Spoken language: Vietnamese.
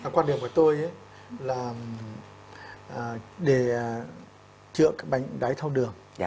quan điểm của tôi là để chữa bệnh đáy tháo đường